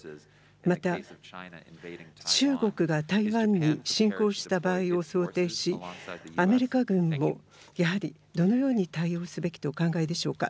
また、中国が台湾に侵攻した場合を想定し、アメリカ軍をやはりどのように対応すべきとお考えでしょうか。